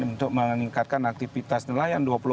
untuk meningkatkan aktivitas nelayan